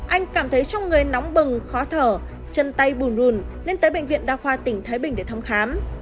anh cảm thấy trong người nóng bừng khó thở chân tay bùn rùn nên tới bệnh viện đa khoa tỉnh thái bình để thăm khám